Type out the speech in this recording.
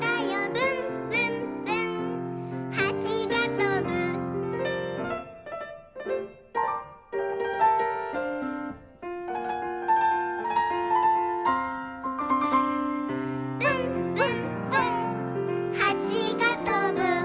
「ぶんぶんぶんはちがとぶ」「ぶんぶんぶんはちがとぶ」